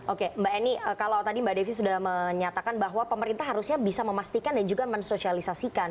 oke mbak eni kalau tadi mbak devi sudah menyatakan bahwa pemerintah harusnya bisa memastikan dan juga mensosialisasikan